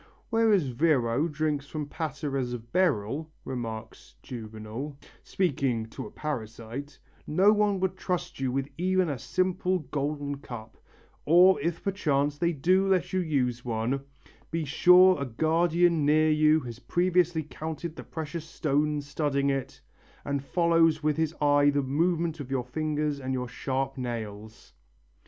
"Whereas Virro drinks from pateras of beryl," remarks Juvenal, speaking to a parasite, "no one would trust you with even a simple golden cup, or, if perchance they do let you use one, be sure a guardian near you has previously counted the precious stones studding it and follows with his eye the movements of your fingers and your sharp nails."